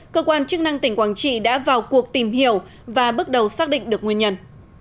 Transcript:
cơ quan chức năng tỉnh quảng trị đã vào cuộc tìm hiểu và bước đầu xác định được nguyên nhân